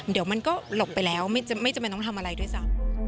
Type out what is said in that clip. เดี๋ยวมันก็หลบไปแล้วไม่จำเป็นต้องทำอะไรด้วยซ้ำ